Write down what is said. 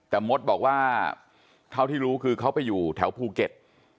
แต่มดบอกว่าเท่าที่รู้คือเขาไปอยู่แถวภูเก็ต